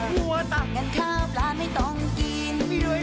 กันจ้าคาวร้านไม่ต้องกิน